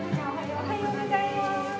おはようございます。